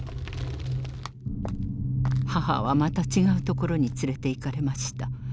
母はまた違うところに連れていかれました。